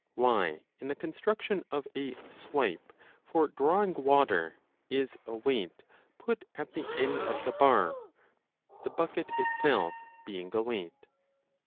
Why in the construction of a swipe for drawing water is a weight put at the end of the bar, the bucket itself being a weight